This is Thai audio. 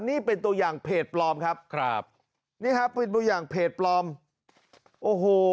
นี่เป็นตัวอย่างเพจปลอมครับครับนี่ครับเป็นตัวอย่างเพจปลอมโอ้โห